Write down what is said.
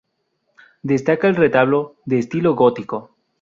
Destaca el retablo, de estilo gótico.